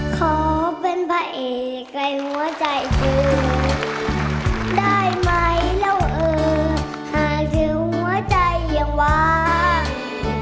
ขอเป็นพระเอกในหัวใจกูได้ไหมแล้วเออหาถึงหัวใจยังวาง